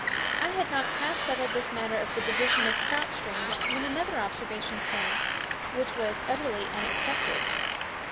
I had not half settled this matter of the division of trout streams when another observation came, which was utterly unexpected.